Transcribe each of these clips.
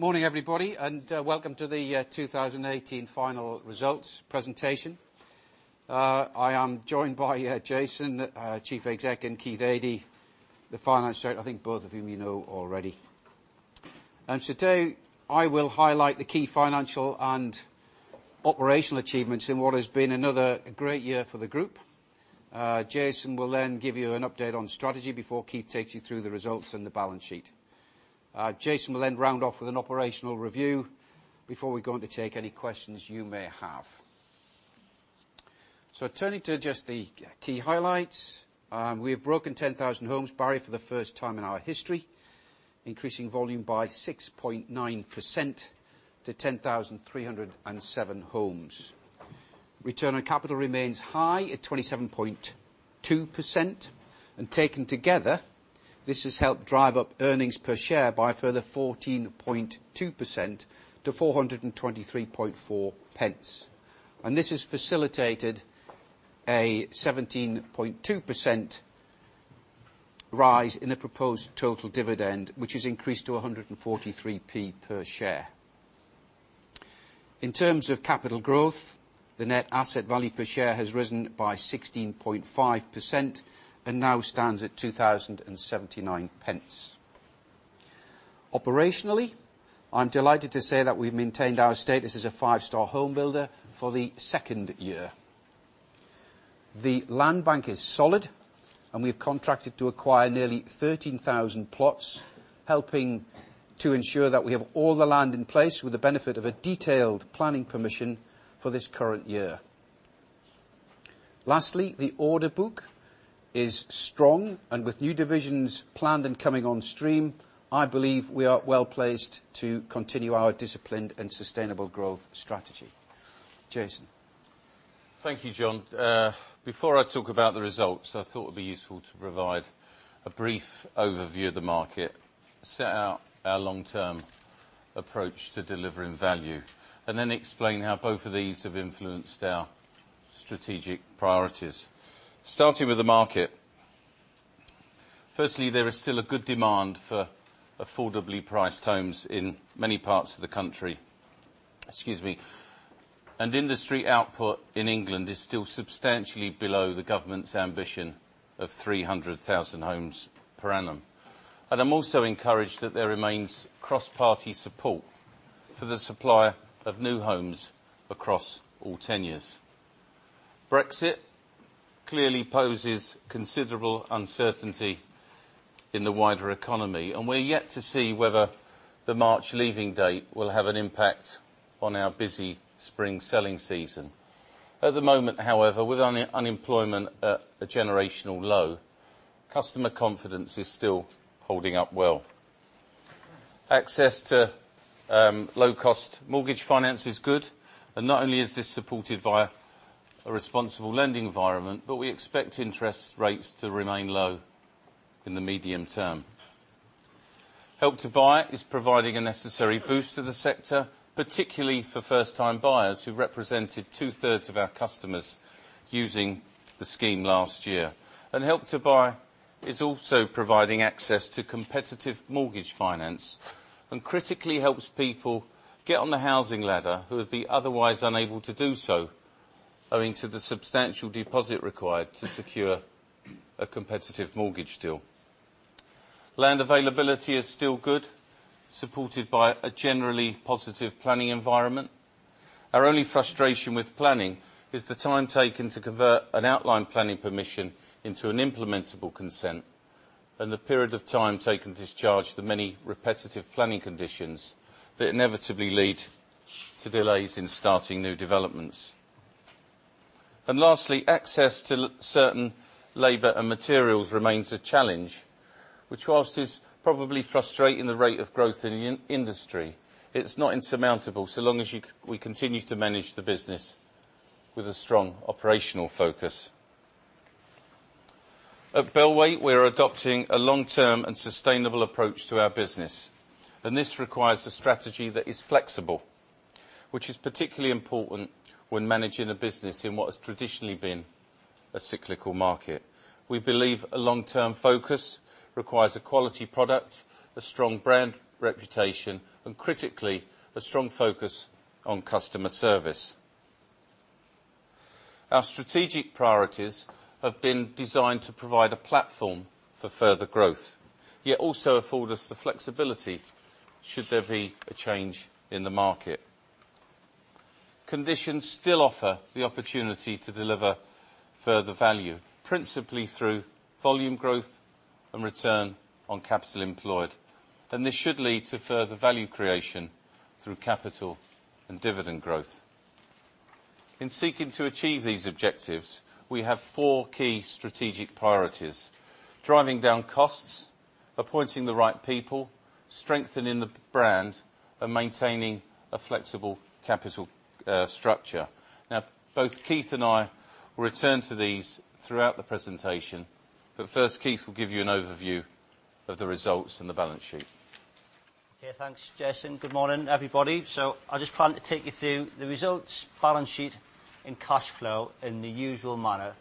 Morning, everybody, welcome to the 2018 final results presentation. I am joined by Jason, our Chief Exec, and Keith Adey, the Finance Director, I think both of whom you know already. Today, I will highlight the key financial and operational achievements in what has been another great year for the group. Jason will then give you an update on strategy before Keith takes you through the results and the balance sheet. Jason will then round off with an operational review before we go on to take any questions you may have. Turning to just the key highlights. We have broken 10,000 homes barrier for the first time in our history, increasing volume by 6.9% to 10,307 homes. Return on capital remains high at 27.2%, and taken together, this has helped drive up earnings per share by a further 14.2% to 4.234. This has facilitated a 17.2% rise in the proposed total dividend, which is increased to 1.43 per share. In terms of capital growth, the NAV per share has risen by 16.5% and now stands at 20.79. Operationally, I'm delighted to say that we've maintained our status as a five-star home builder for the second year. The land bank is solid, and we have contracted to acquire nearly 13,000 plots, helping to ensure that we have all the land in place with the benefit of a detailed planning permission for this current year. Lastly, the order book is strong, and with new divisions planned and coming on stream, I believe we are well-placed to continue our disciplined and sustainable growth strategy. Jason? Thank you, John. Before I talk about the results, I thought it would be useful to provide a brief overview of the market, set out our long-term approach to delivering value, and then explain how both of these have influenced our strategic priorities. Starting with the market, firstly, there is still a good demand for affordably priced homes in many parts of the country. Excuse me. Industry output in England is still substantially below the government's ambition of 300,000 homes per annum. I'm also encouraged that there remains cross-party support for the supply of new homes across all tenures. Brexit clearly poses considerable uncertainty in the wider economy, and we're yet to see whether the March leaving date will have an impact on our busy spring selling season. At the moment, however, with unemployment at a generational low, customer confidence is still holding up well. Access to low-cost mortgage finance is good, and not only is this supported by a responsible lending environment, but we expect interest rates to remain low in the medium term. Help to Buy is providing a necessary boost to the sector, particularly for first-time buyers, who represented two-thirds of our customers using the scheme last year. Help to Buy is also providing access to competitive mortgage finance and critically helps people get on the housing ladder who would be otherwise unable to do so owing to the substantial deposit required to secure a competitive mortgage deal. Land availability is still good, supported by a generally positive planning environment. Our only frustration with planning is the time taken to convert an outline planning permission into an implementable consent and the period of time taken to discharge the many repetitive planning conditions that inevitably lead to delays in starting new developments. Lastly, access to certain labor and materials remains a challenge, which whilst is probably frustrating the rate of growth in the industry, it's not insurmountable, so long as we continue to manage the business with a strong operational focus. At Bellway, we're adopting a long-term and sustainable approach to our business, and this requires a strategy that is flexible, which is particularly important when managing a business in what has traditionally been a cyclical market. We believe a long-term focus requires a quality product, a strong brand reputation, and critically, a strong focus on customer service. Our strategic priorities have been designed to provide a platform for further growth, yet also afford us the flexibility should there be a change in the market. Conditions still offer the opportunity to deliver further value, principally through volume growth and return on capital employed, and this should lead to further value creation through capital and dividend growth. In seeking to achieve these objectives, we have four key strategic priorities, driving down costs, appointing the right people, strengthening the brand, and maintaining a flexible capital structure. Both Keith and I will return to these throughout the presentation, but first, Keith will give you an overview of the results and the balance sheet. Okay, thanks, Jason. Good morning, everybody. I just plan to take you through the results, balance sheet and cash flow in the usual manner.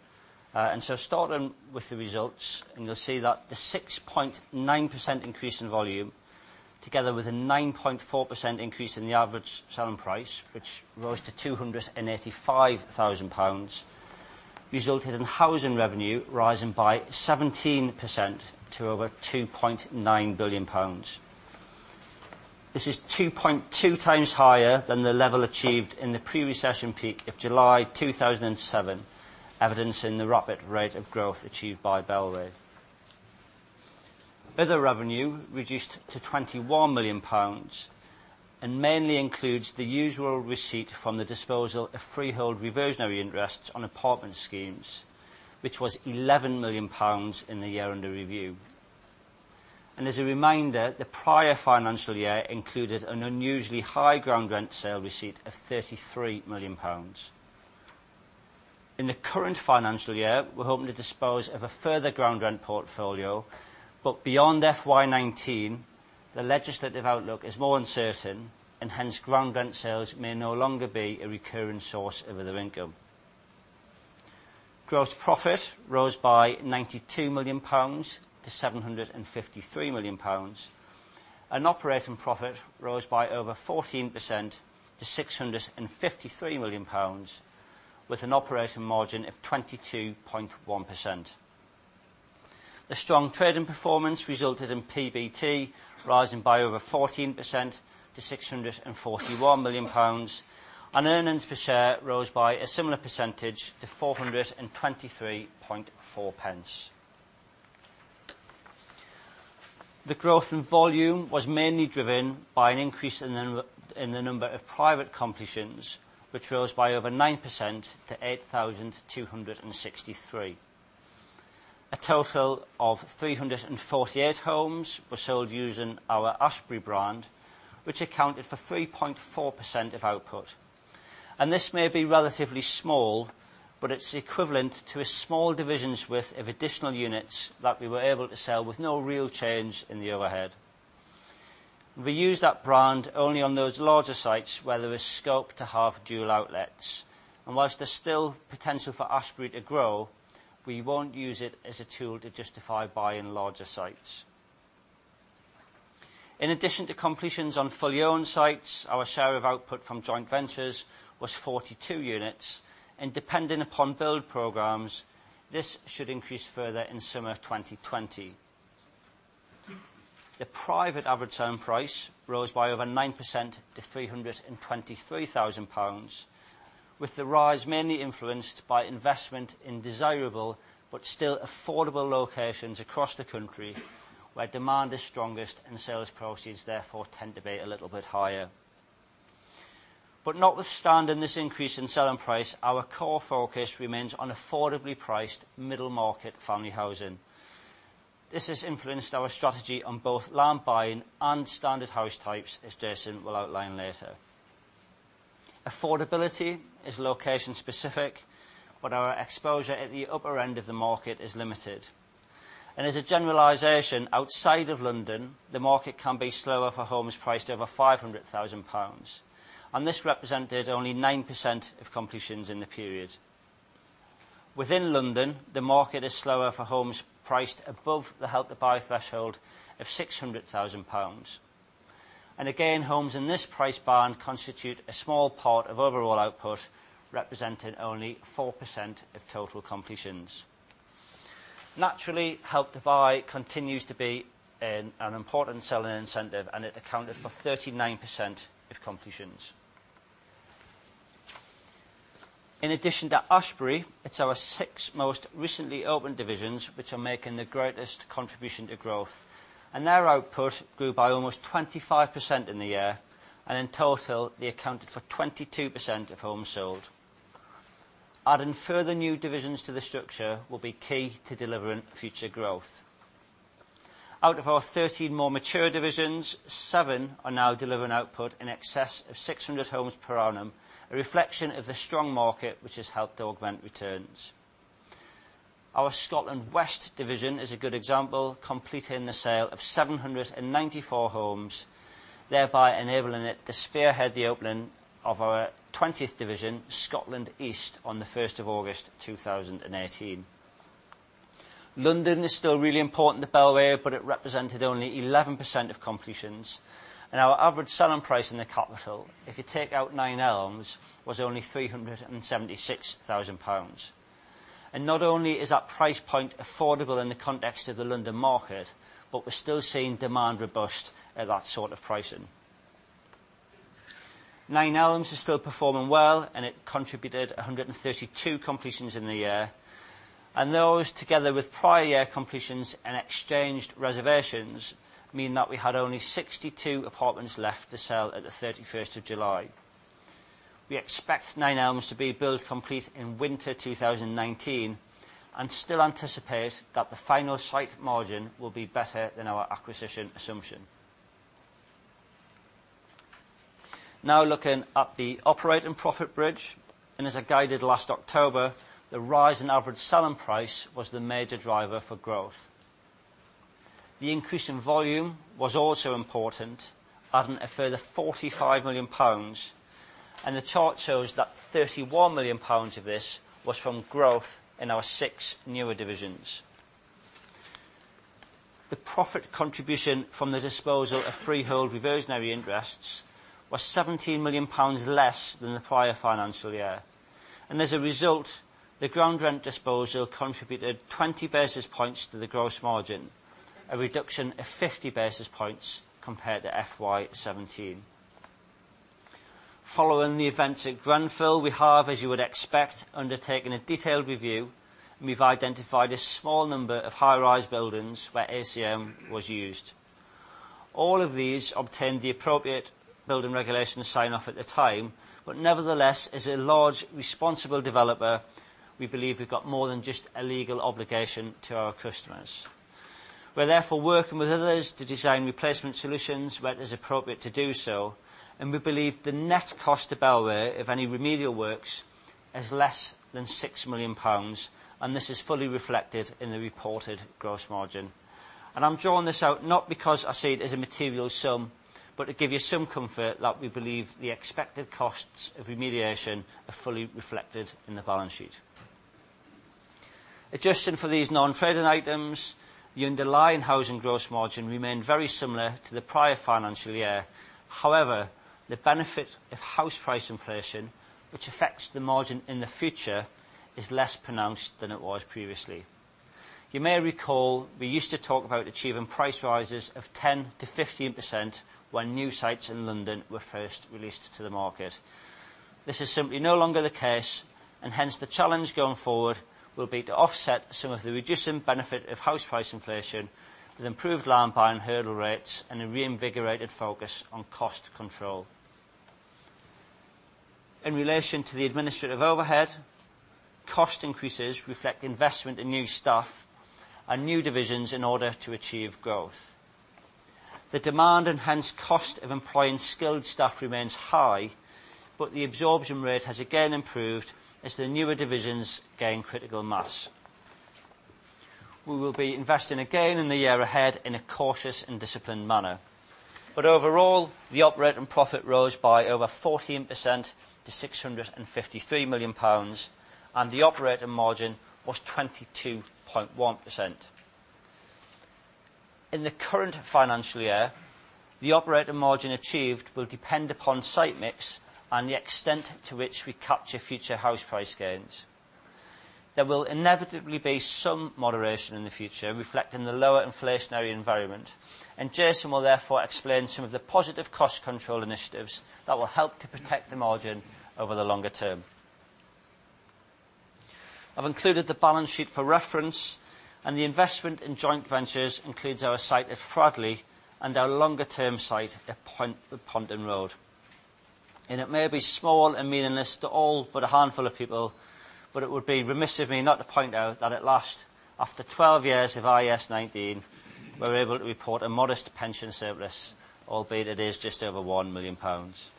Starting with the results, you'll see that the 6.9% increase in volume, together with a 9.4% increase in the average selling price, which rose to 285,000 pounds, resulted in housing revenue rising by 17% to over 2.9 billion pounds. This is 2.2 times higher than the level achieved in the pre-recession peak of July 2007, evidenced in the rapid rate of growth achieved by Bellway. Other revenue reduced to GBP 21 million and mainly includes the usual receipt from the disposal of freehold reversionary interests on apartment schemes, which was 11 million pounds in the year under review. As a reminder, the prior financial year included an unusually high ground rent sale receipt of 33 million pounds. In the current financial year, we're hoping to dispose of a further ground rent portfolio, but beyond FY 2019, the legislative outlook is more uncertain and hence ground rent sales may no longer be a recurring source of other income. Gross profit rose by GBP 92 million to GBP 753 million. Operating profit rose by over 14% to GBP 653 million, with an operating margin of 22.1%. The strong trading performance resulted in PBT rising by over 14% to 641 million pounds, and earnings per share rose by a similar percentage to 4.234. The growth in volume was mainly driven by an increase in the number of private completions, which rose by over 9% to 8,263. A total of 348 homes were sold using our Ashberry brand, which accounted for 3.4% of output. This may be relatively small, but it's equivalent to a small division's worth of additional units that we were able to sell with no real change in the overhead. We use that brand only on those larger sites where there is scope to have dual outlets. Whilst there's still potential for Ashberry to grow, we won't use it as a tool to justify buying larger sites. In addition to completions on fully owned sites, our share of output from joint ventures was 42 units and dependent upon build programs, this should increase further in summer 2020. The private average selling price rose by over 9% to 323,000 pounds, with the rise mainly influenced by investment in desirable but still affordable locations across the country where demand is strongest and sales proceeds therefore tend to be a little bit higher. Notwithstanding this increase in selling price, our core focus remains on affordably priced middle market family housing. This has influenced our strategy on both land buying and standard house types, as Jason will outline later. Affordability is location specific, but our exposure at the upper end of the market is limited. As a generalization, outside of London, the market can be slower for homes priced over 500,000 pounds. This represented only 9% of completions in the period. Within London, the market is slower for homes priced above the Help to Buy threshold of 600,000 pounds. Again, homes in this price band constitute a small part of overall output, representing only 4% of total completions. Naturally, Help to Buy continues to be an important selling incentive, and it accounted for 39% of completions. In addition to Ashberry, it's our six most recently opened divisions which are making the greatest contribution to growth. Their output grew by almost 25% in the year, and in total, they accounted for 22% of homes sold. Adding further new divisions to the structure will be key to delivering future growth. Out of our 13 more mature divisions, seven are now delivering output in excess of 600 homes per annum, a reflection of the strong market which has helped augment returns. Our Scotland West division is a good example, completing the sale of 794 homes, thereby enabling it to spearhead the opening of our 20th division, Scotland East, on the 1st of August 2018. London is still really important to Bellway, but it represented only 11% of completions. Our average selling price in the capital, if you take out Nine Elms, was only 376,000 pounds. Not only is that price point affordable in the context of the London market, but we're still seeing demand robust at that sort of pricing. Nine Elms is still performing well, and it contributed 132 completions in the year. Those, together with prior year completions and exchanged reservations, mean that we had only 62 apartments left to sell at the 31st of July. We expect Nine Elms to be build complete in winter 2019 and still anticipate that the final site margin will be better than our acquisition assumption. Looking at the operating profit bridge. As I guided last October, the rise in average selling price was the major driver for growth. The increase in volume was also important, adding a further 45 million pounds. The chart shows that 31 million pounds of this was from growth in our six newer divisions. The profit contribution from the disposal of freehold reversionary interests was GBP 17 million less than the prior financial year. As a result, the ground rent disposal contributed 20 basis points to the gross margin, a reduction of 50 basis points compared to FY 2017. Following the events at Grenfell, we have, as you would expect, undertaken a detailed review. We've identified a small number of high-rise buildings where ACM was used. All of these obtained the appropriate building regulation sign-off at the time. Nevertheless, as a large responsible developer, we believe we've got more than just a legal obligation to our customers. We're therefore working with others to design replacement solutions where it is appropriate to do so, and we believe the net cost to Bellway of any remedial works is less than 6 million pounds. This is fully reflected in the reported gross margin. I'm drawing this out not because I see it as a material sum, but to give you some comfort that we believe the expected costs of remediation are fully reflected in the balance sheet. Adjusting for these non-trading items, the underlying housing gross margin remained very similar to the prior financial year. However, the benefit of house price inflation, which affects the margin in the future, is less pronounced than it was previously. You may recall we used to talk about achieving price rises of 10%-15% when new sites in London were first released to the market. This is simply no longer the case. Hence the challenge going forward will be to offset some of the reducing benefit of house price inflation with improved land buying hurdle rates and a reinvigorated focus on cost control. In relation to the administrative overhead, cost increases reflect investment in new staff and new divisions in order to achieve growth. The demand, and hence cost of employing skilled staff remains high. The absorption rate has again improved as the newer divisions gain critical mass. We will be investing again in the year ahead in a cautious and disciplined manner. Overall, the operating profit rose by over 14% to 653 million pounds, and the operating margin was 22.1%. In the current financial year, the operating margin achieved will depend upon site mix and the extent to which we capture future house price gains. There will inevitably be some moderation in the future, reflecting the lower inflationary environment. Jason will therefore explain some of the positive cost control initiatives that will help to protect the margin over the longer term. I've included the balance sheet for reference, the investment in joint ventures includes our site at Fradley and our longer term site at Pontoon Road. It may be small and meaningless to all but a handful of people, but it would be remiss of me not to point out that at last, after 12 years of IAS 19, we're able to report a modest pension surplus, albeit it is just over 1 million pounds.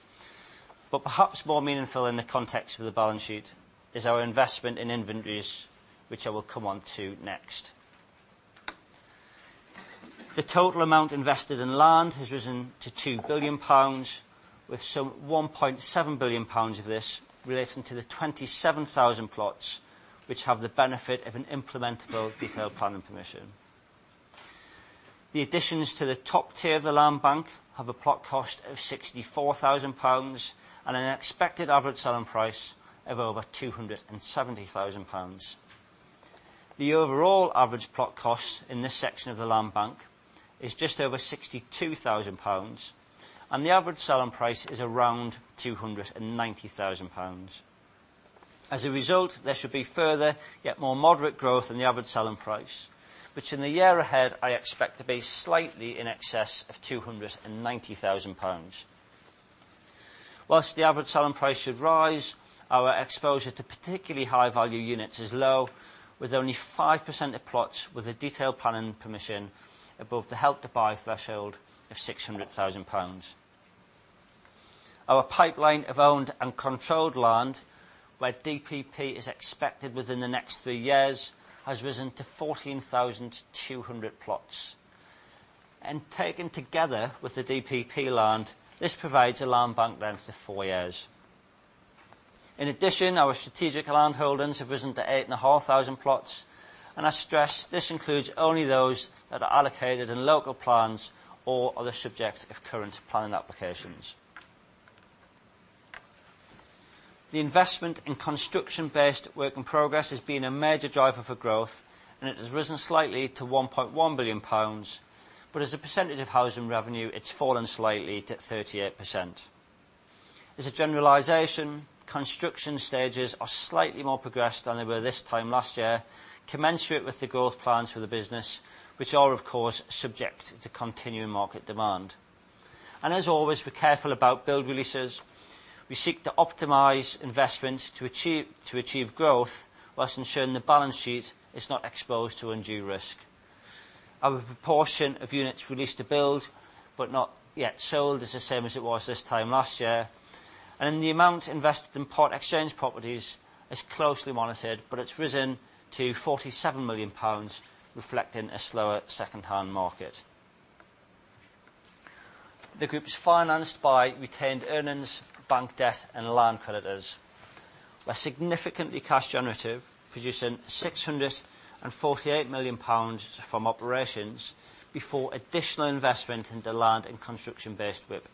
Perhaps more meaningful in the context of the balance sheet is our investment in inventories, which I will come on to next. The total amount invested in land has risen to 2 billion pounds, with some 1.7 billion pounds of this relating to the 27,000 plots which have the benefit of an implementable detailed planning permission. The additions to the top tier of the land bank have a plot cost of 64,000 pounds and an expected average selling price of over 270,000 pounds. The overall average plot cost in this section of the land bank is just over 62,000 pounds, and the average selling price is around 290,000 pounds. As a result, there should be further, yet more moderate growth in the average selling price, which in the year ahead I expect to be slightly in excess of 290,000 pounds. Whilst the average selling price should rise, our exposure to particularly high-value units is low, with only 5% of plots with a detailed planning permission above the Help to Buy threshold of 600,000 pounds. Our pipeline of owned and controlled land, where DPP is expected within the next three years, has risen to 14,200 plots. Taken together with the DPP land, this provides a land bank length of four years. In addition, our strategic land holdings have risen to 8,500 plots, I stress this includes only those that are allocated in local plans or are the subject of current planning applications. The investment in construction-based work in progress has been a major driver for growth, it has risen slightly to 1.1 billion pounds, but as a percentage of housing revenue, it's fallen slightly to 38%. As a generalization, construction stages are slightly more progressed than they were this time last year, commensurate with the growth plans for the business, which are, of course, subject to continuing market demand. As always, we're careful about build releases. We seek to optimize investment to achieve growth whilst ensuring the balance sheet is not exposed to undue risk. Our proportion of units released to build but not yet sold is the same as it was this time last year. The amount invested in part exchange properties is closely monitored, but it's risen to 47 million pounds, reflecting a slower secondhand market. The group is financed by retained earnings, bank debt, and land creditors. We're significantly cash generative, producing 648 million pounds from operations before additional investment in the land and construction-based WIP.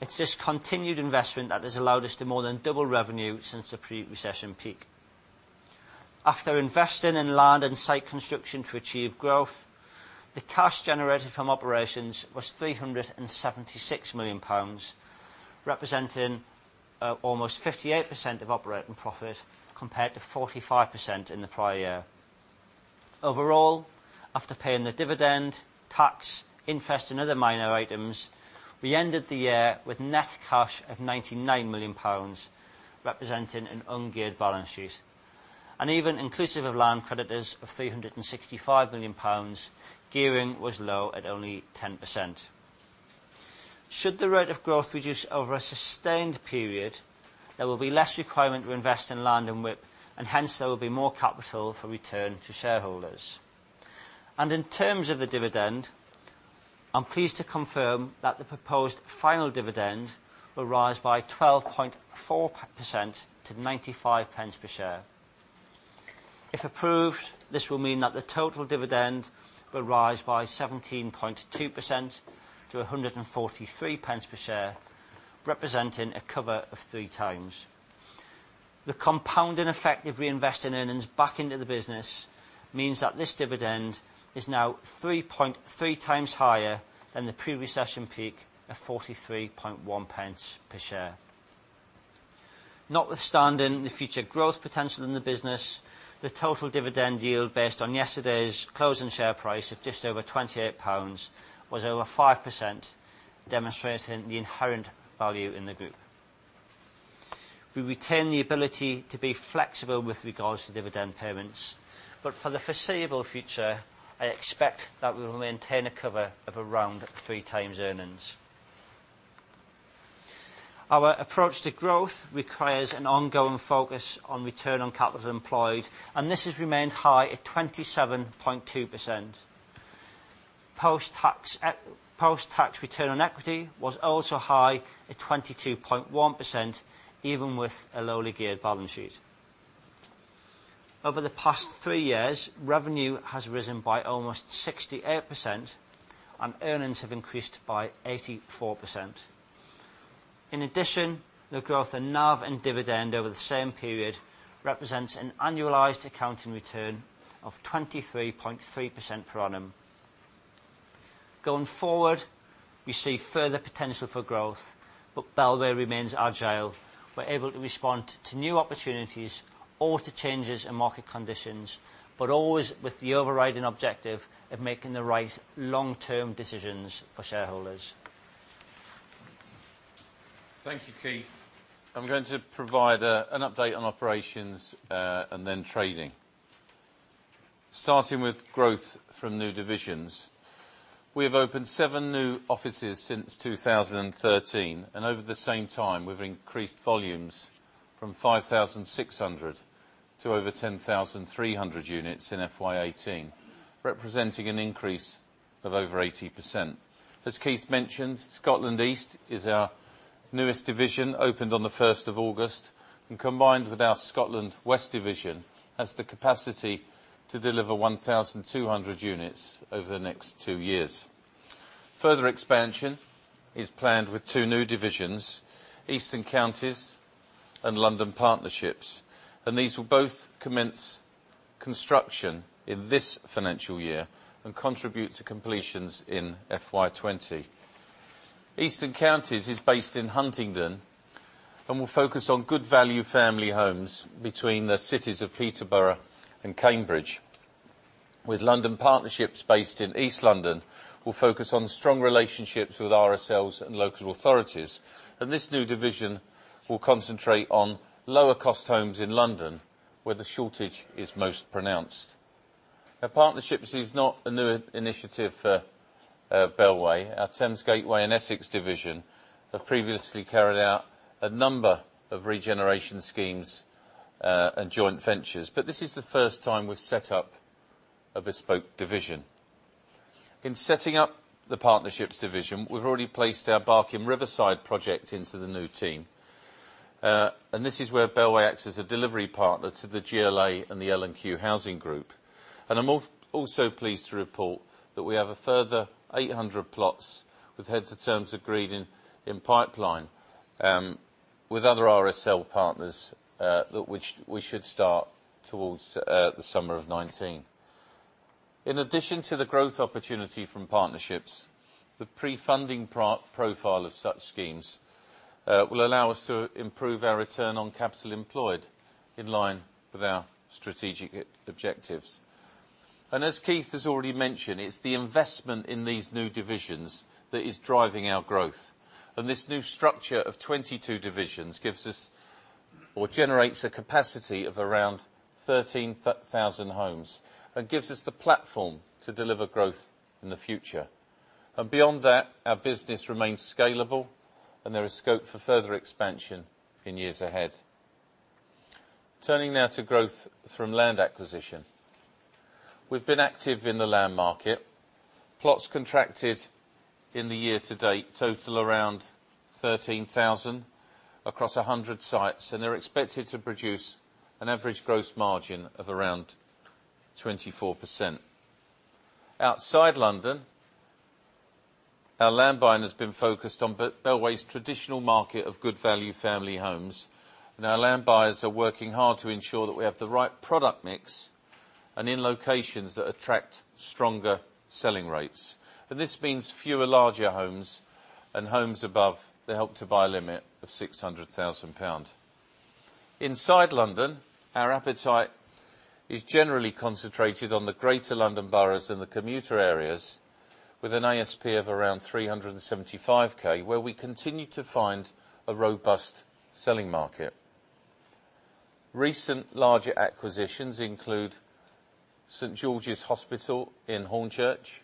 It's this continued investment that has allowed us to more than double revenue since the pre-recession peak. After investing in land and site construction to achieve growth, the cash generated from operations was 376 million pounds, representing almost 58% of operating profit, compared to 45% in the prior year. Overall, after paying the dividend, tax, interest, and other minor items, we ended the year with net cash of 99 million pounds, representing an ungeared balance sheet. Even inclusive of land creditors of 365 million pounds, gearing was low at only 10%. Should the rate of growth reduce over a sustained period, there will be less requirement to invest in land and WIP, hence, there will be more capital for return to shareholders. In terms of the dividend, I'm pleased to confirm that the proposed final dividend will rise by 12.4% to 0.95 per share. If approved, this will mean that the total dividend will rise by 17.2% to 1.43 per share, representing a cover of three times. The compounding effect of reinvested earnings back into the business means that this dividend is now 3.3 times higher than the pre-recession peak of 0.431 per share. Notwithstanding the future growth potential in the business, the total dividend yield based on yesterday's closing share price of just over 28 pounds was over 5%, demonstrating the inherent value in the group. We retain the ability to be flexible with regards to dividend payments, for the foreseeable future, I expect that we will maintain a cover of around three times earnings. Our approach to growth requires an ongoing focus on return on capital employed, this has remained high at 27.2%. Post-tax return on equity was also high at 22.1%, even with a lowly geared balance sheet. Over the past three years, revenue has risen by almost 68%, earnings have increased by 84%. In addition, the growth in NAV and dividend over the same period represents an annualized accounting return of 23.3% per annum. Going forward, we see further potential for growth, Bellway remains agile. We're able to respond to new opportunities or to changes in market conditions, but always with the overriding objective of making the right long-term decisions for shareholders. Thank you, Keith. I'm going to provide an update on operations, then trading. Starting with growth from new divisions, we have opened seven new offices since 2013, over the same time, we've increased volumes from 5,600 to over 10,300 units in FY 2018, representing an increase of over 80%. As Keith mentioned, Scotland East is our newest division, opened on the 1st of August, combined with our Scotland West division, has the capacity to deliver 1,200 units over the next two years. Further expansion is planned with two new divisions, Eastern Counties and London Partnerships, these will both commence construction in this financial year and contribute to completions in FY 2020. Eastern Counties is based in Huntingdon and will focus on good value family homes between the cities of Peterborough and Cambridge. With London Partnerships based in East London, we'll focus on strong relationships with RSLs and local authorities, this new division will concentrate on lower cost homes in London, where the shortage is most pronounced. Partnerships is not a new initiative for Bellway. Our Thames Gateway and Essex division have previously carried out a number of regeneration schemes and joint ventures. This is the first time we've set up a bespoke division. In setting up the partnerships division, we've already placed our Barking Riverside project into the new team. This is where Bellway acts as a delivery partner to the GLA and the L&Q Housing Group. I'm also pleased to report that we have a further 800 plots with heads of terms agreed in pipeline, with other RSL partners, which we should start towards the summer of 2019. In addition to the growth opportunity from partnerships, the pre-funding profile of such schemes will allow us to improve our return on capital employed in line with our strategic objectives. As Keith has already mentioned, it's the investment in these new divisions that is driving our growth. This new structure of 22 divisions generates a capacity of around 13,000 homes and gives us the platform to deliver growth in the future. Beyond that, our business remains scalable and there is scope for further expansion in years ahead. Turning now to growth from land acquisition. We've been active in the land market. Plots contracted in the year to date total around 13,000 across 100 sites, and they're expected to produce an average gross margin of around 24%. Outside London, our land buying has been focused on Bellway's traditional market of good value family homes, and our land buyers are working hard to ensure that we have the right product mix and in locations that attract stronger selling rates. This means fewer larger homes and homes above the Help to Buy limit of 600,000 pounds. Inside London, our appetite is generally concentrated on the greater London boroughs and the commuter areas with an ASP of around 375,000, where we continue to find a robust selling market. Recent larger acquisitions include St George's Hospital in Hornchurch,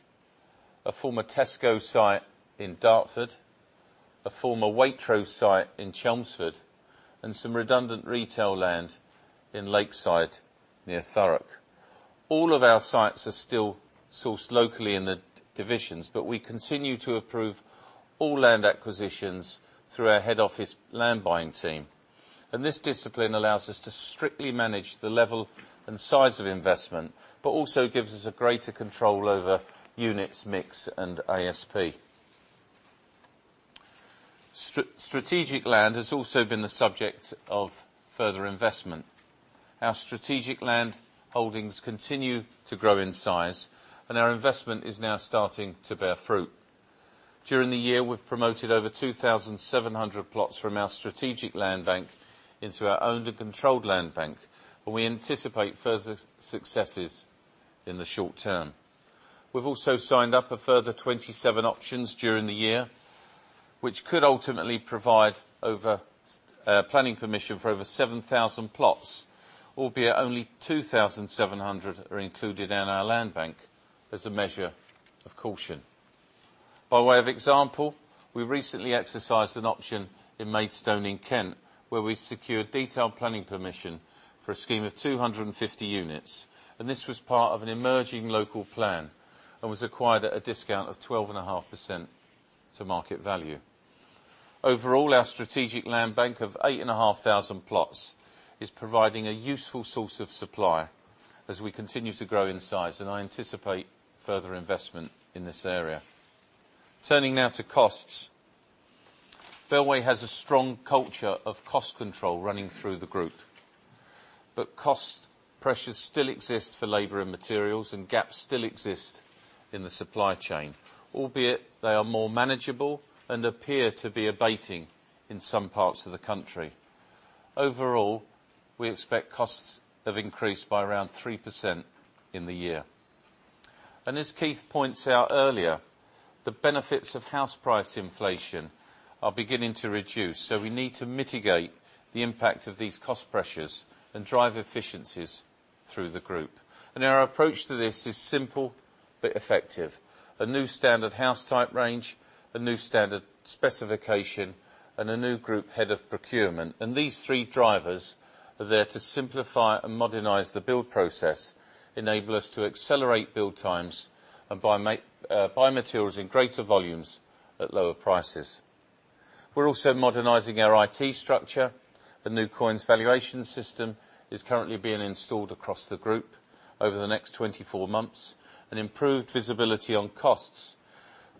a former Tesco site in Dartford, a former Waitrose site in Chelmsford, and some redundant retail land in Lakeside near Thurrock. All of our sites are still sourced locally in the divisions, but we continue to approve all land acquisitions through our head office land buying team. This discipline allows us to strictly manage the level and size of investment, but also gives us a greater control over units mix and ASP. Strategic land has also been the subject of further investment. Our strategic land holdings continue to grow in size and our investment is now starting to bear fruit. During the year, we've promoted over 2,700 plots from our strategic land bank into our owned and controlled land bank, and we anticipate further successes in the short term. We've also signed up a further 27 options during the year, which could ultimately provide planning permission for over 7,000 plots, albeit only 2,700 are included in our land bank as a measure of caution. By way of example, we recently exercised an option in Maidstone in Kent where we secured detailed planning permission for a scheme of 250 units, this was part of an emerging local plan and was acquired at a discount of 12.5% to market value. Overall, our strategic land bank of 8,500 plots is providing a useful source of supply as we continue to grow in size, and I anticipate further investment in this area. Turning now to costs. Bellway has a strong culture of cost control running through the group, but cost pressures still exist for labor and materials, and gaps still exist in the supply chain, albeit they are more manageable and appear to be abating in some parts of the country. Overall, we expect costs have increased by around 3% in the year. As Keith points out earlier, the benefits of house price inflation are beginning to reduce, we need to mitigate the impact of these cost pressures and drive efficiencies through the group. Our approach to this is simple but effective. A new standard house type range, a new standard specification, and a new group head of procurement. These three drivers are there to simplify and modernize the build process, enable us to accelerate build times and buy materials in greater volumes at lower prices. We are also modernizing our IT structure. A new COINS valuation system is currently being installed across the group over the next 24 months. An improved visibility on costs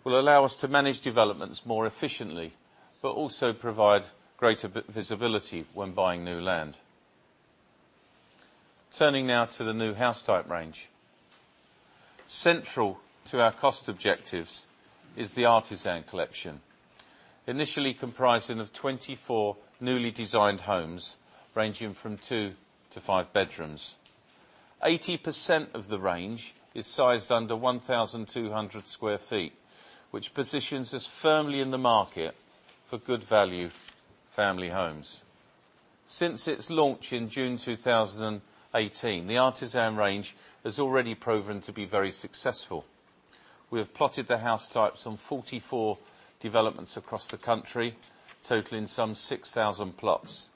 will allow us to manage developments more efficiently, but also provide greater visibility when buying new land. Turning now to the new house type range. Central to our cost objectives is the Artisan Collection. Initially comprising of 24 newly designed homes ranging from two to five bedrooms. 80% of the range is sized under 1,200 sq ft, which positions us firmly in the market for good value family homes. Since its launch in June 2018, the Artisan range has already proven to be very successful. We have plotted the house types on 44 developments across the country, totaling some 6,000 plots.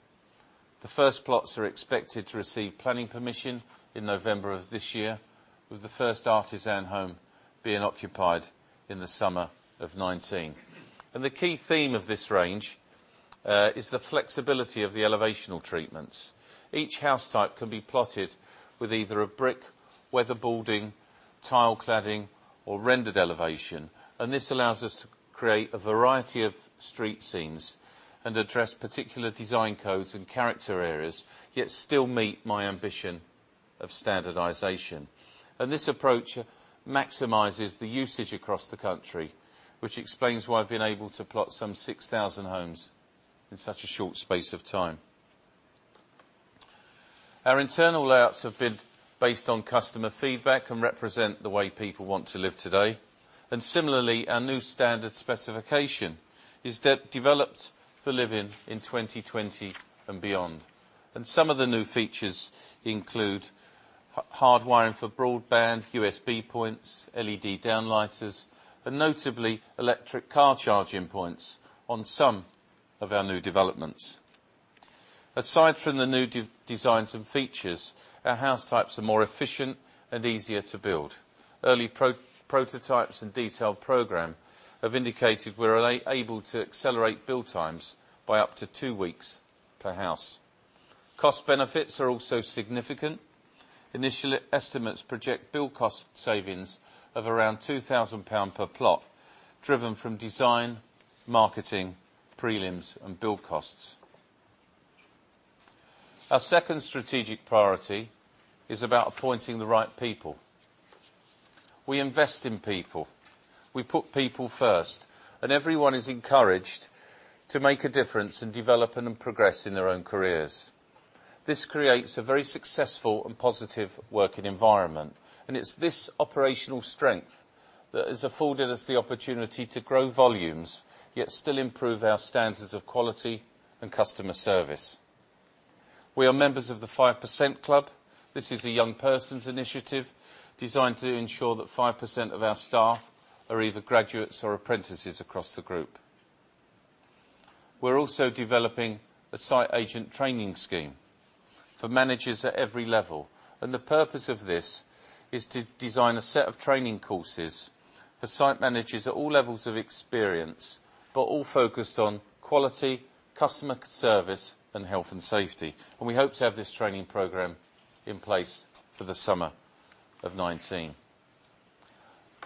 The first plots are expected to receive planning permission in November of this year, with the first Artisan home being occupied in the summer of 2019. The key theme of this range is the flexibility of the elevational treatments. Each house type can be plotted with either a brick, weather boarding, tile cladding, or rendered elevation. This allows us to create a variety of street scenes and address particular design codes and character areas, yet still meet my ambition of standardization. This approach maximizes the usage across the country, which explains why I have been able to plot some 6,000 homes in such a short space of time. Our internal layouts have been based on customer feedback and represent the way people want to live today. Similarly, our new standard specification is developed for living in 2020 and beyond. Some of the new features include hard wiring for broadband, USB points, LED downlights, and notably, electric car charging points on some of our new developments. Aside from the new designs and features, our house types are more efficient and easier to build. Early prototypes and detailed program have indicated we are able to accelerate build times by up to two weeks per house. Cost benefits are also significant. Initial estimates project build cost savings of around 2,000 pound per plot, driven from design, marketing, prelims, and build costs. Our second strategic priority is about appointing the right people. We invest in people. We put people first, and everyone is encouraged to make a difference and develop and progress in their own careers. This creates a very successful and positive working environment, and it's this operational strength that has afforded us the opportunity to grow volumes, yet still improve our standards of quality and customer service. We are members of The 5% Club. This is a young person's initiative designed to ensure that 5% of our staff are either graduates or apprentices across the group. We are also developing a site agent training scheme for managers at every level, the purpose of this is to design a set of training courses for site managers at all levels of experience, but all focused on quality, customer service, and health and safety. We hope to have this training program in place for the summer of 2019.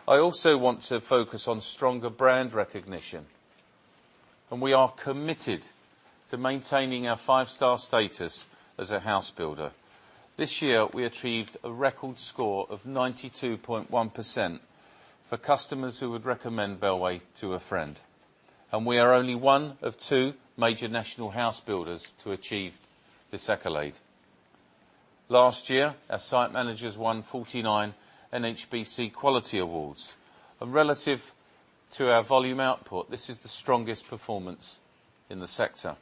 I also want to focus on stronger brand recognition, and we are committed to maintaining our five-star status as a house builder. This year, we achieved a record score of 92.1% for customers who would recommend Bellway to a friend. We are only one of two major national house builders to achieve this accolade. Last year, our site managers won 49 NHBC quality awards. Relative to our volume output, this is the strongest performance in the sector.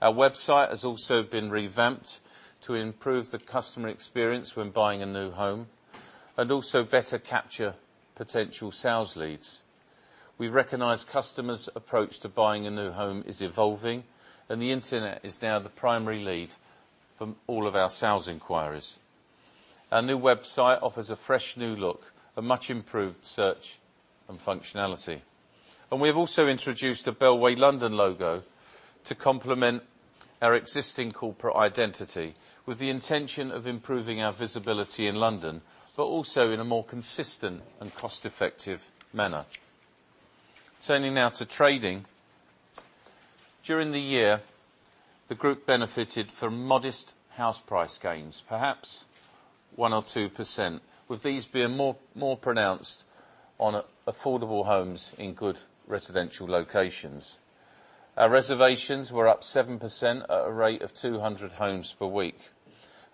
Our website has also been revamped to improve the customer experience when buying a new home, and also better capture potential sales leads. We recognize customers' approach to buying a new home is evolving, and the internet is now the primary lead from all of our sales inquiries. Our new website offers a fresh new look, a much improved search and functionality. We've also introduced a Bellway London logo to complement our existing corporate identity, with the intention of improving our visibility in London, but also in a more consistent and cost-effective manner. Turning now to trading. During the year, the group benefited from modest house price gains, perhaps 1 or 2%, with these being more pronounced on affordable homes in good residential locations. Our reservations were up 7% at a rate of 200 homes per week.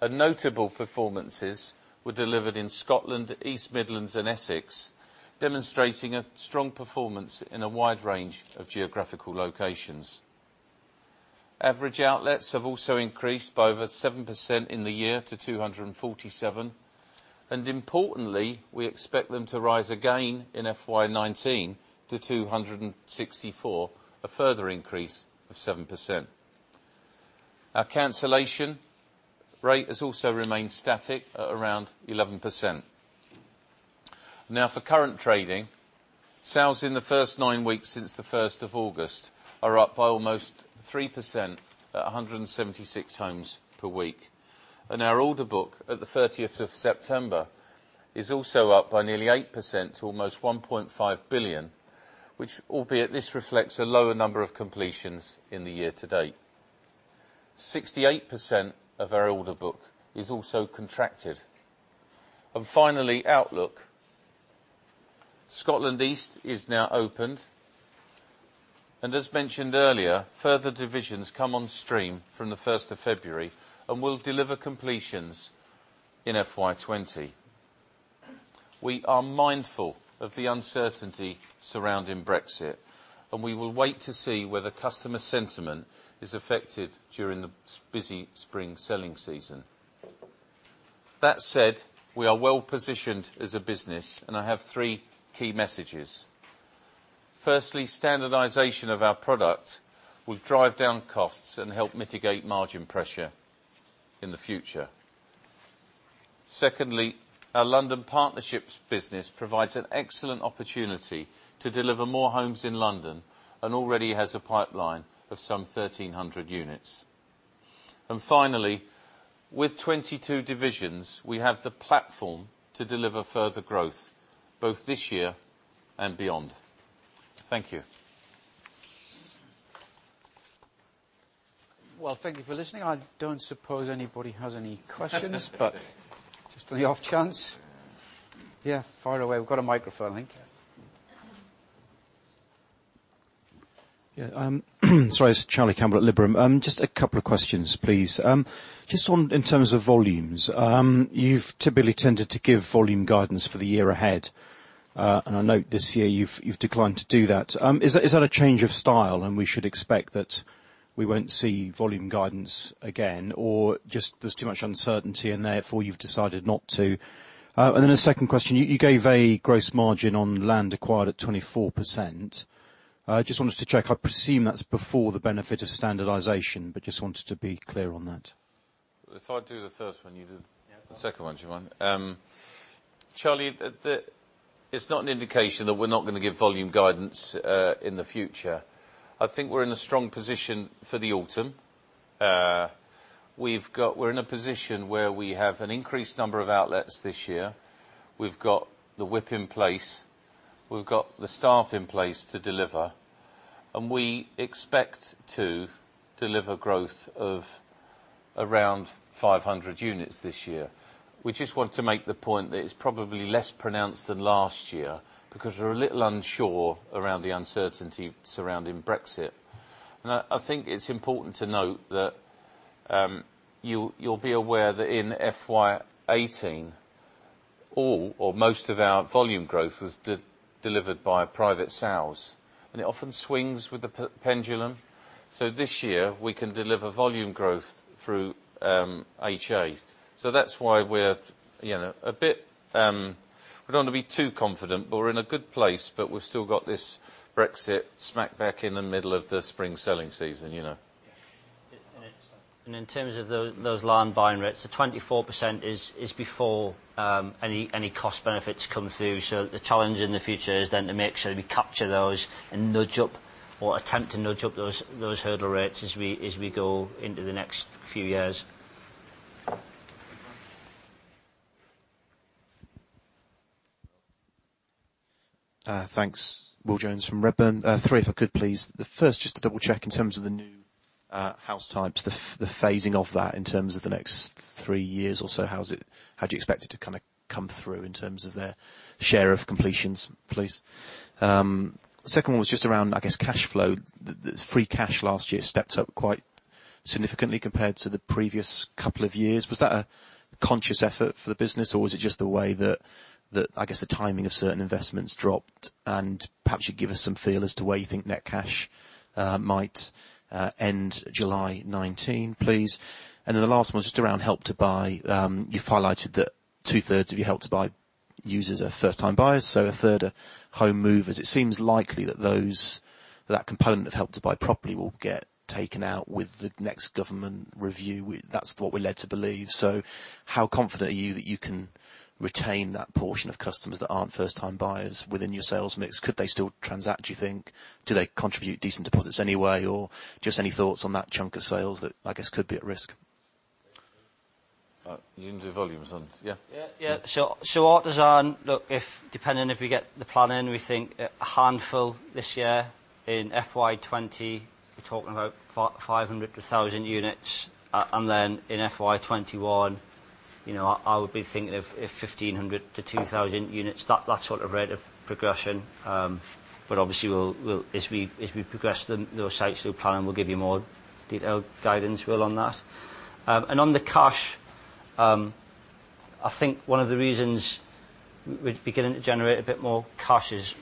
Notable performances were delivered in Scotland, East Midlands, and Essex, demonstrating a strong performance in a wide range of geographical locations. Average outlets have also increased by over 7% in the year to 247, and importantly, we expect them to rise again in FY 2019 to 264, a further increase of 7%. Our cancellation rate has also remained static at around 11%. Now for current trading. Sales in the first nine weeks since the 1st of August are up by almost 3% at 176 homes per week. Our order book at the 30th of September is also up by nearly 8% to almost 1.5 billion, which albeit this reflects a lower number of completions in the year to date. 68% of our order book is also contracted. Finally, outlook. Scotland East is now opened. As mentioned earlier, further divisions come on stream from the 1st of February and will deliver completions in FY 2020. We are mindful of the uncertainty surrounding Brexit, and we will wait to see whether customer sentiment is affected during the busy spring selling season. That said, we are well-positioned as a business and I have three key messages. Firstly, standardization of our product will drive down costs and help mitigate margin pressure in the future. Secondly, our London partnerships business provides an excellent opportunity to deliver more homes in London and already has a pipeline of some 1,300 units. Finally, with 22 divisions, we have the platform to deliver further growth both this year and beyond. Thank you. Well, thank you for listening. I don't suppose anybody has any questions, but just on the off chance. Yeah, fire away. We've got a microphone, I think. Yeah. Sorry, it's Charlie Campbell at Liberum. Just a couple of questions, please. Just on, in terms of volumes, you've typically tended to give volume guidance for the year ahead. I note this year you've declined to that. Is that a change of style, and we should expect that we won't see volume guidance again? Just there's too much uncertainty and therefore you've decided not to? A second question. You gave a gross margin on land acquired at 24%. Just wanted to check, I presume that's before the benefit of standardization, but just wanted to be clear on that. If I do the first one, you do- Yeah the second one, do you mind? Charlie, it's not an indication that we're not going to give volume guidance in the future. I think we're in a strong position for the autumn. We're in a position where we have an increased number of outlets this year. We've got the WIP in place. We've got the staff in place to deliver, and we expect to deliver growth of around 500 units this year. We just want to make the point that it's probably less pronounced than last year because we're a little unsure around the uncertainty surrounding Brexit. I think it's important to note that you'll be aware that in FY 2018, all or most of our volume growth was delivered by private sales, and it often swings with the pendulum. This year, we can deliver volume growth through HA. That's why we don't want to be too confident, but we're in a good place, but we've still got this Brexit smack back in the middle of the spring selling season. In terms of those land buying rates, the 24% is before any cost benefits come through. The challenge in the future is then to make sure we capture those and nudge up or attempt to nudge up those hurdle rates as we go into the next few years. Thanks. Will Jones from Redburn. Three, if I could, please. The first, just to double-check in terms of the new house types, the phasing of that in terms of the next three years or so, how do you expect it to come through in terms of their share of completions, please? Second one was just around, I guess, cash flow. The free cash last year stepped up quite significantly compared to the previous couple of years. Was that a conscious effort for the business, or was it just the way that, I guess, the timing of certain investments dropped? Perhaps you'd give us some feel as to where you think net cash might end July 2019, please. The last one was just around Help to Buy. You've highlighted that two-thirds of your Help to Buy users are first-time buyers, so a third are home movers. It seems likely that component of Help to Buy properly will get taken out with the next government review. That's what we're led to believe. How confident are you that you can retain that portion of customers that aren't first-time buyers within your sales mix? Could they still transact, do you think? Do they contribute decent deposits anyway, or just any thoughts on that chunk of sales that, I guess, could be at risk? You can do volumes then. Yeah. Our design, if depending if we get the planning, we think a handful this year. In FY 2020, we're talking about 500 to 1,000 units. In FY 2021, I would be thinking of 1,500 to 2,000 units. That sort of rate of progression. Obviously as we progress those sites through planning, we'll give you more detailed guidance, Will, on that. On the cash, I think one of the reasons we're beginning to generate a bit more cash is,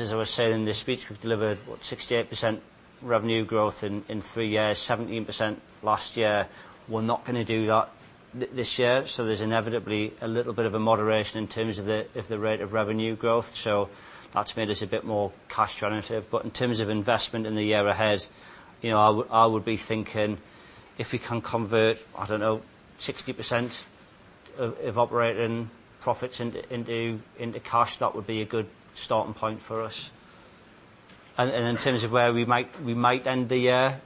as I was saying in the speech, we've delivered, what, 68% revenue growth in three years, 17% last year. We're not going to do that this year. There's inevitably a little bit of a moderation in terms of the rate of revenue growth. That's made us a bit more cash generative. In terms of investment in the year ahead, I would be thinking if we can convert, I don't know, 60% of operating profits into cash, that would be a good starting point for us. In terms of where we might end the year,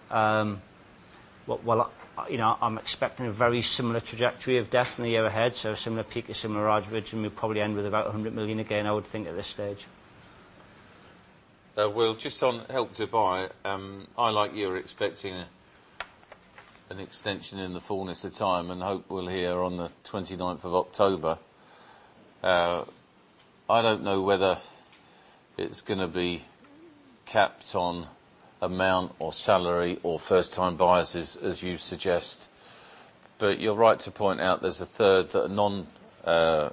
I'm expecting a very similar trajectory of debt in the year ahead, so a similar peak of similar average, and we'll probably end with about 100 million again, I would think at this stage. Will, just on Help to Buy. I, like you, are expecting an extension in the fullness of time and hope we'll hear on the 29th of October. I don't know whether it's going to be capped on amount or salary or first-time buyers, as you suggest. You're right to point out there's a third that are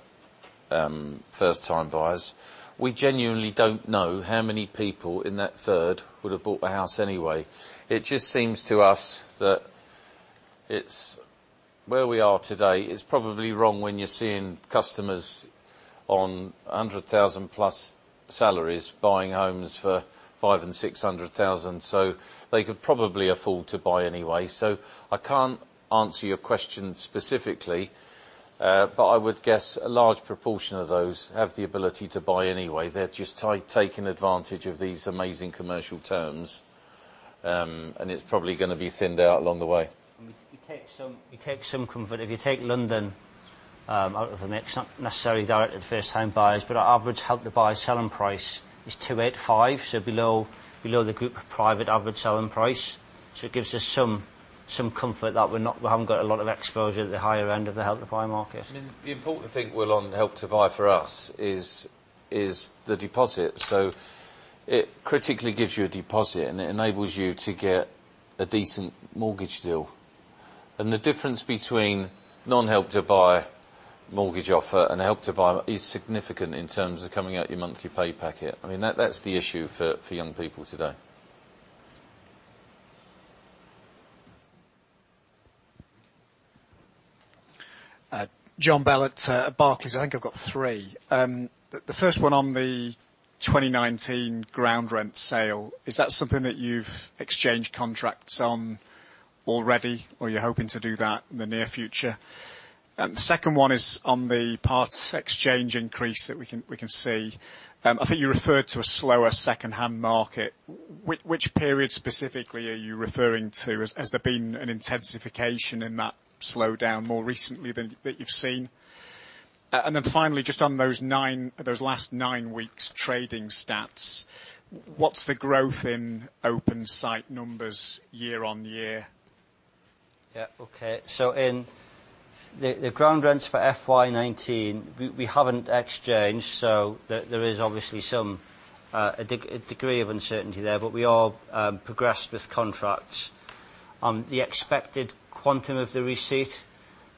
non-first-time buyers. We genuinely don't know how many people in that third would have bought the house anyway. It just seems to us that where we are today is probably wrong when you're seeing customers on 100,000 plus salaries buying homes for 5 and 600,000. They could probably afford to buy anyway. I can't answer your question specifically, I would guess a large proportion of those have the ability to buy anyway. They're just taking advantage of these amazing commercial terms, it's probably going to be thinned out along the way. You take some comfort. If you take London out of the mix, not necessarily directed at first-time buyers, but our average Help to Buy selling price is 285,000, below the group private average selling price. It gives us some comfort that we haven't got a lot of exposure at the higher end of the Help to Buy market. I mean, the important thing, Will, on Help to Buy for us is the deposit. It critically gives you a deposit, and it enables you to get a decent mortgage deal. The difference between non-Help to Buy mortgage offer and Help to Buy is significant in terms of coming out your monthly pay packet. I mean, that's the issue for young people today. John Bell at Barclays. I think I've got three. The first one on the 2019 ground rent sale. Is that something that you've exchanged contracts on already, or you're hoping to do that in the near future? The second one is on the part exchange increase that we can see. I think you referred to a slower second-hand market. Which period specifically are you referring to? Has there been an intensification in that slowdown more recently that you've seen? Finally, just on those last nine weeks trading stats, what's the growth in open site numbers year-on-year? Yeah. Okay. In the ground rents for FY 2019, we haven't exchanged, so there is obviously some, a degree of uncertainty there, but we are progressed with contracts. On the expected quantum of the receipt,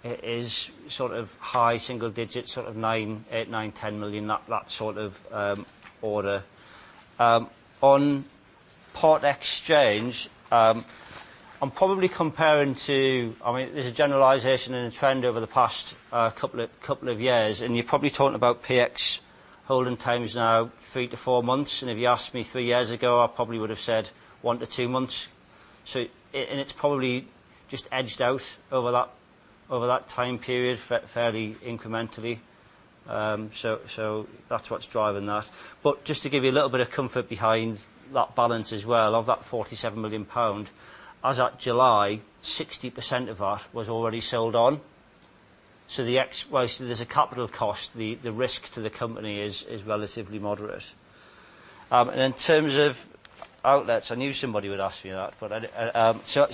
it is sort of high single digits, sort of 8 million, 9 million, 10 million, that sort of order. On part exchange, I'm probably comparing to, I mean, there's a generalization and a trend over the past couple of years, and you're probably talking about PX holding times now 3-4 months. If you asked me three years ago, I probably would have said 1-2 months. It's probably just edged out over that time period, fairly incrementally. That's what's driving that. Just to give you a little bit of comfort behind that balance as well, of that 47 million pound, as at July, 60% of that was already sold on. There's a capital cost. The risk to the company is relatively moderate. In terms of outlets, I knew somebody would ask me that.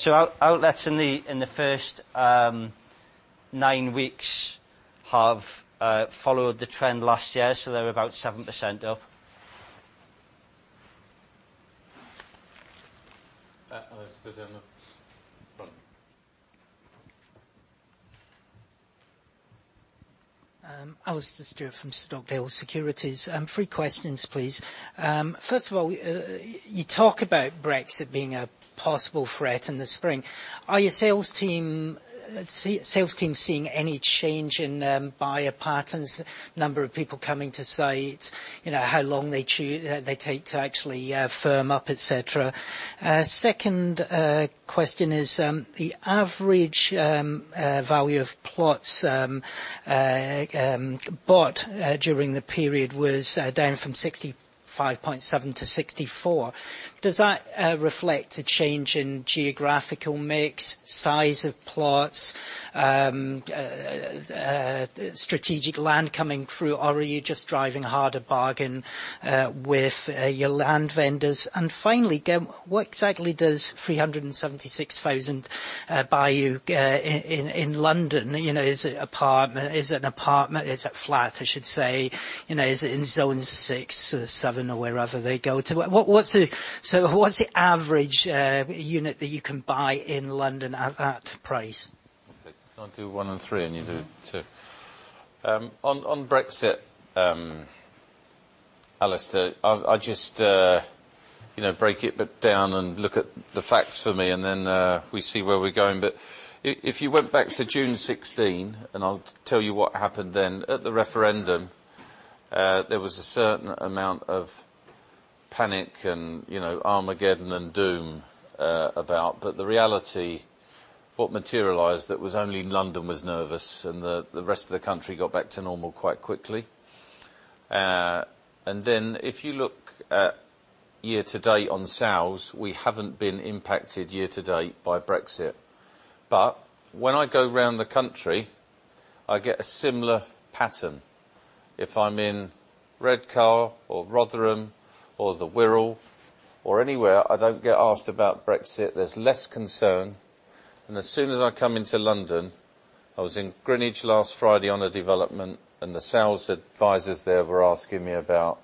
Our outlets in the first nine weeks have followed the trend last year. They're about 7% up. Alasdair down the front. Alasdair Stewart from Stockdale Securities. Three questions, please. First of all, you talk about Brexit being a possible threat in the spring. Are your sales team seeing any change in buyer patterns, number of people coming to sites, how long they take to actually firm up, et cetera? Second question is, the average value of plots bought during the period was down from 65.7 to 64. Does that reflect a change in geographical mix, size of plots, strategic land coming through, or are you just driving a harder bargain with your land vendors? Finally, what exactly does 376,000 buy you in London? Is it an apartment? Is it a flat, I should say? Is it in zones 6, 7 or wherever they go to? What's the average unit that you can buy in London at that price? Okay. I'll do one and three, and you do two. On Brexit, Alasdair, I'll just break it down and look at the facts for me, then we see where we're going. If you went back to June 16, I'll tell you what happened then, at the referendum, there was a certain amount of panic and armageddon and doom about. The reality, what materialized, that was only London was nervous, and the rest of the country got back to normal quite quickly. If you look at year to date on sales, we haven't been impacted year to date by Brexit. When I go around the country, I get a similar pattern. If I'm in Redcar or Rotherham or The Wirral or anywhere, I don't get asked about Brexit. There's less concern. As soon as I come into London, I was in Greenwich last Friday on a development, and the sales advisors there were asking me about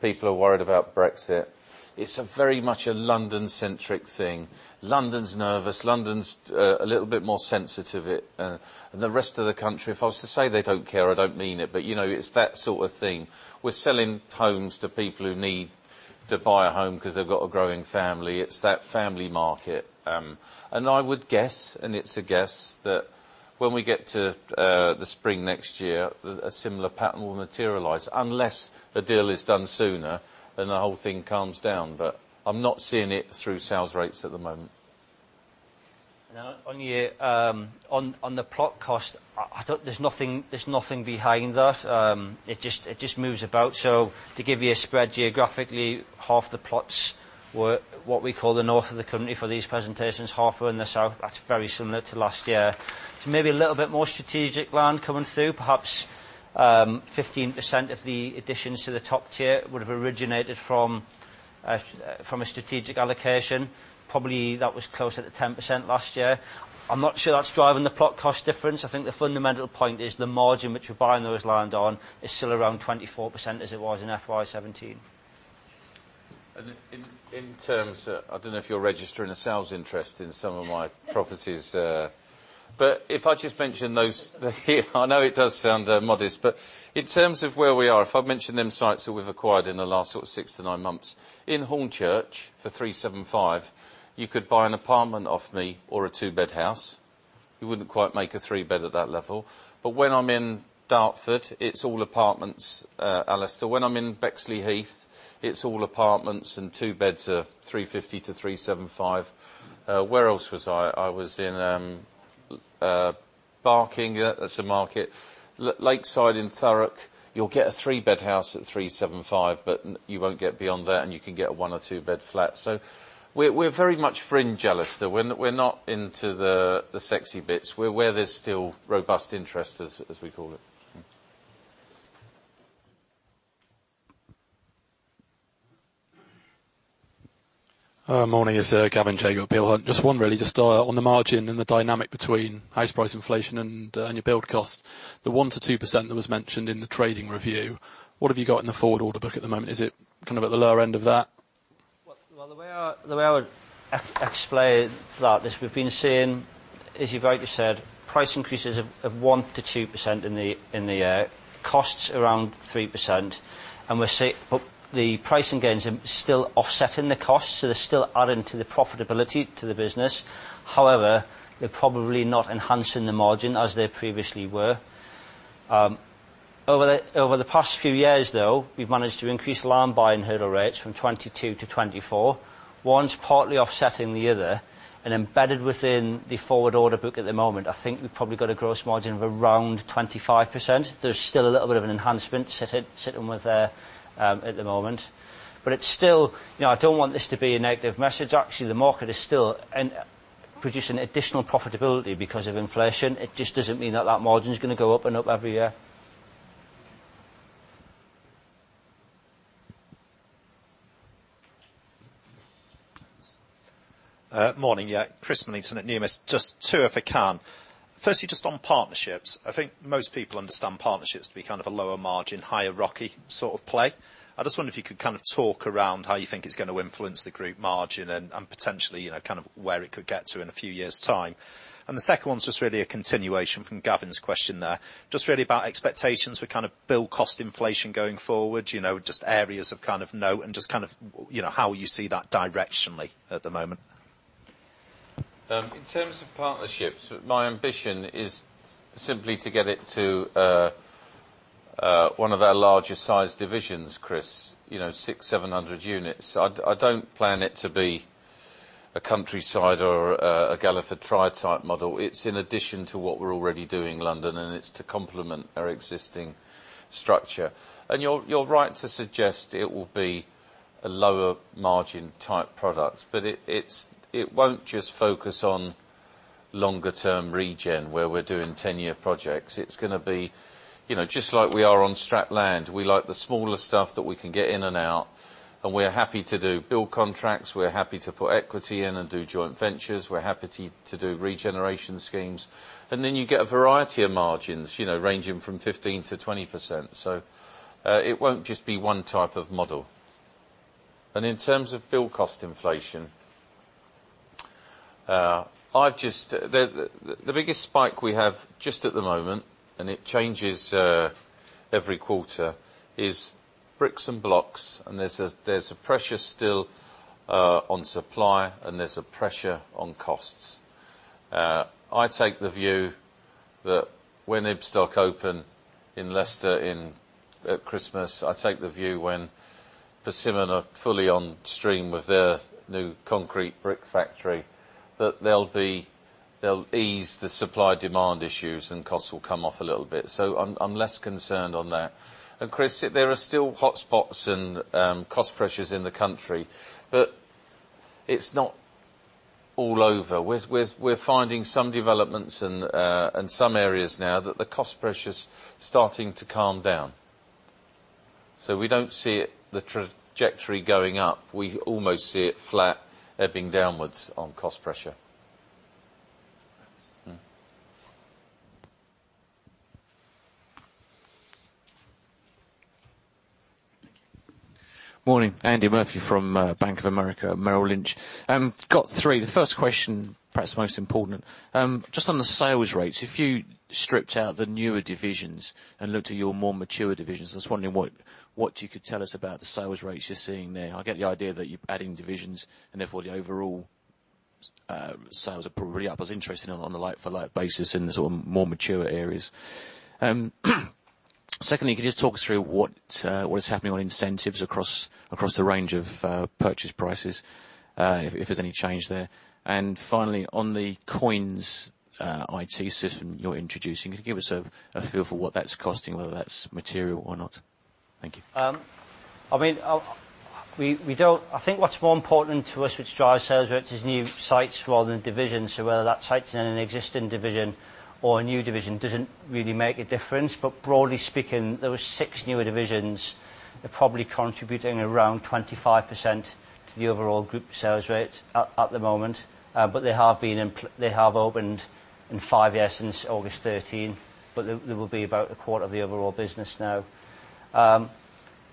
people are worried about Brexit. It's a very much a London-centric thing. London's nervous. London's a little bit more sensitive. The rest of the country, if I was to say they don't care, I don't mean it, but it's that sort of thing. We're selling homes to people who need to buy a home because they've got a growing family. It's that family market. I would guess, and it's a guess, that when we get to the spring next year, a similar pattern will materialize, unless a deal is done sooner, and the whole thing calms down. I'm not seeing it through sales rates at the moment. Now, on the plot cost, I thought there's nothing behind that. It just moves about. To give you a spread geographically, half the plots were what we call the north of the company for these presentations, half were in the south. That's very similar to last year. Maybe a little bit more strategic land coming through, perhaps 15% of the additions to the top tier would have originated from a strategic allocation. Probably that was closer to 10% last year. I'm not sure that's driving the plot cost difference. I think the fundamental point is the margin which we're buying those land on is still around 24%, as it was in FY 2017. In terms of, I don't know if you're registering a sales interest in some of my properties. If I just mention those I know it does sound modest, but in terms of where we are, if I mention them sites that we've acquired in the last sort of six to nine months. In Hornchurch, for 375, you could buy an apartment off me or a two-bed house. You wouldn't quite make a three-bed at that level. When I'm in Dartford, it's all apartments, Alasdair. When I'm in Bexleyheath, it's all apartments and two beds are 350-375. Where else was I? I was in, Barking. That's a market. Lakeside in Thurrock, you'll get a three-bed house at 375, but you won't get beyond that, and you can get a one or two-bed flat. We're very much fringe, Alasdair. We're not into the sexy bits. We're where there's still robust interest, as we call it. Morning. It's Gavin Jago, Peel Hunt. Just one really. Just on the margin and the dynamic between house price inflation and your build cost. The 1%-2% that was mentioned in the trading review, what have you got in the forward order book at the moment? Is it kind of at the lower end of that? Well, the way I would explain that is we've been seeing, as you've rightly said, price increases of 1%-2% in the costs around 3%, but the pricing gains are still offsetting the costs, so they're still adding to the profitability to the business. However, they're probably not enhancing the margin as they previously were. Over the past few years, though, we've managed to increase land buying hurdle rates from 22 to 24. One's partly offsetting the other, and embedded within the forward order book at the moment, I think we've probably got a gross margin of around 25%. There's still a little bit of an enhancement sitting with, at the moment. It's still I don't want this to be a negative message. Actually, the market is still producing additional profitability because of inflation. It just doesn't mean that that margin is going to go up and up every year. Morning. Yeah. Chris Millington at Numis. Just two, if I can. Firstly, just on partnerships. I think most people understand partnerships to be kind of a lower margin, higher ROCE sort of play. I just wonder if you could kind of talk around how you think it's going to influence the group margin and potentially, kind of where it could get to in a few years' time. The second one is just really a continuation from Gavin Jago's question there. Just really about expectations for kind of build cost inflation going forward, just areas of kind of note and just kind of how you see that directionally at the moment. In terms of partnerships, my ambition is simply to get it to one of our larger size divisions, Chris, 600, 700 units. I don't plan it to be a Countryside or a Galliford Try type model. It's in addition to what we're already doing London, and it's to complement our existing structure. You're right to suggest it will be a lower margin type product, but it won't just focus on longer term regen where we're doing 10-year projects. It's going to be just like we are on strategic land. We like the smaller stuff that we can get in and out, and we're happy to do build contracts, we're happy to put equity in and do joint ventures, we're happy to do regeneration schemes. Then you get a variety of margins, ranging from 15%-20%. It won't just be one type of model. In terms of build cost inflation, the biggest spike we have just at the moment, and it changes every quarter, is bricks and blocks, and there's a pressure still on supply and there's a pressure on costs. I take the view that when Ibstock open in Leicester at Christmas, I take the view when Persimmon are fully on stream with their new concrete brick factory, that they'll ease the supply-demand issues and costs will come off a little bit. I'm less concerned on that. Chris, there are still hotspots and cost pressures in the country, but it's not all over. We're finding some developments in some areas now that the cost pressure's starting to calm down. We don't see the trajectory going up. We almost see it flat, ebbing downwards on cost pressure. Thanks. Thank you. Morning. Andy Murphy from Bank of America Merrill Lynch. Got three. The first question, perhaps the most important. Just on the sales rates, if you stripped out the newer divisions and looked at your more mature divisions, I was wondering what you could tell us about the sales rates you're seeing there. I get the idea that you're adding divisions and therefore the overall sales are probably up. I was interested in on a like-for-like basis in the sort of more mature areas. Secondly, could you just talk us through what is happening on incentives across the range of purchase prices, if there's any change there. Finally, on the COINS IT system you're introducing, could you give us a feel for what that's costing, whether that's material or not? Thank you. I think what's more important to us which drives sales rates is new sites rather than divisions. Whether that site's in an existing division or a new division doesn't really make a difference. Broadly speaking, those six newer divisions are probably contributing around 25% to the overall group sales rate at the moment. They have opened in five years, since August 2013, but they will be about a quarter of the overall business now.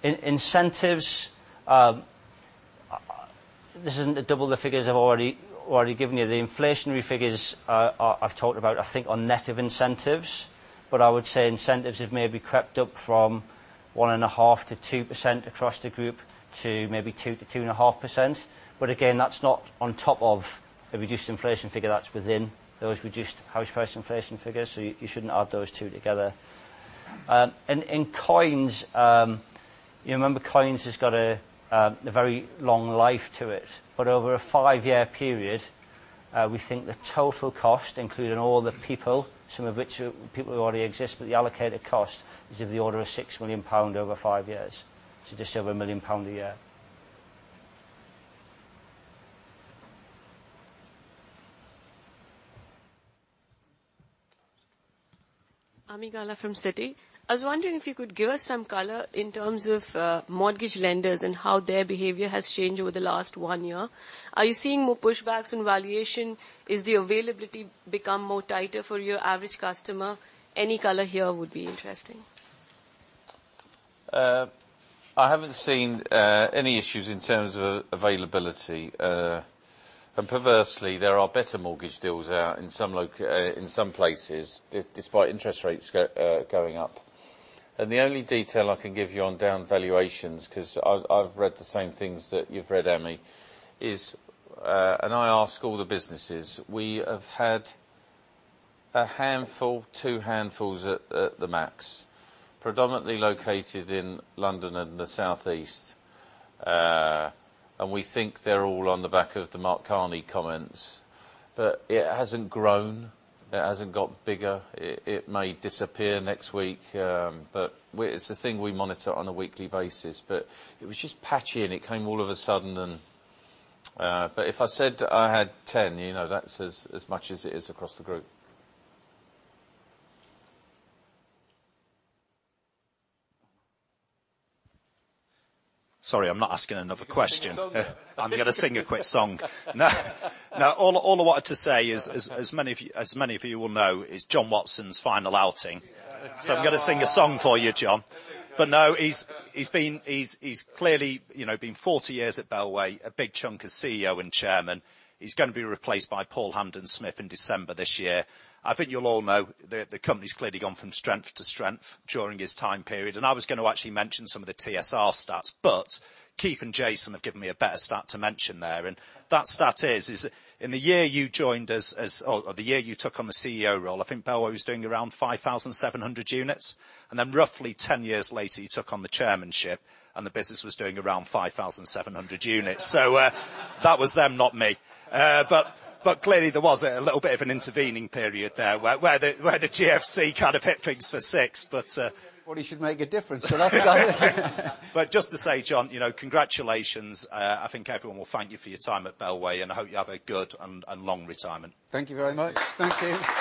Incentives, this isn't double the figures I've already given you. The inflationary figures I've talked about, I think, are net of incentives. I would say incentives have maybe crept up from 1.5%-2% across the group to maybe 2%-2.5%. Again, that's not on top of a reduced inflation figure. That's within those reduced house price inflation figures. You shouldn't add those two together. In COINS, you remember COINS has got a very long life to it. Over a five-year period, we think the total cost, including all the people, some of which are people who already exist, but the allocated cost is of the order of 6 million pound over five years. Just over 1 million pound a year. Ami Galla from Citi. I was wondering if you could give us some color in terms of mortgage lenders and how their behavior has changed over the last 1 year. Are you seeing more pushbacks on valuation? Is the availability become more tighter for your average customer? Any color here would be interesting. I haven't seen any issues in terms of availability. Perversely, there are better mortgage deals out in some places, despite interest rates going up. The only detail I can give you on down valuations, because I've read the same things that you've read, Ami, is, I ask all the businesses, we have had a handful, 2 handfuls at the max, predominantly located in London and the Southeast. We think they're all on the back of the Mark Carney comments. It hasn't grown. It hasn't got bigger. It may disappear next week, but it's a thing we monitor on a weekly basis. It was just patchy, and it came all of a sudden. If I said I had 10, that's as much as it is across the group. Sorry, I'm not asking another question. You're going to sing a song, yeah. I'm going to sing a quick song. No. All I wanted to say is, as many of you will know, it is John Watson's final outing. Yeah. I'm going to sing a song for you, John. No, he's clearly been 40 years at Bellway, a big chunk as CEO and Chairman. He's going to be replaced by Paul Hampden-Smith in December this year. I think you'll all know the company's clearly gone from strength to strength during his time period. I was going to actually mention some of the TSR stats, but Keith and Jason have given me a better stat to mention there. That stat is, in the year you joined us, or the year you took on the CEO role, I think Bellway was doing around 5,700 units. Roughly 10 years later, you took on the chairmanship and the business was doing around 5,700 units. That was them, not me. Clearly, there was a little bit of an intervening period there where the GFC kind of hit things for six. Everybody should make a difference. That's something. Just to say, John, congratulations. I think everyone will thank you for your time at Bellway, and I hope you have a good and long retirement. Thank you very much. Thank you.